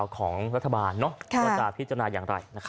ของรัฐบาลว่าจะพิจารณาอย่างไร